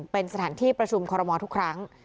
เป็นสถานที่ประชุมคอรมอลทุกครั้ง